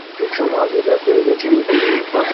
তারপর তিনি তিনশ পঞ্চাশ বছর বেঁচে ছিলেন।